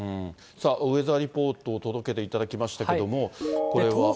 さあ、ウェザーリポートを届けていただきましたけど、これは。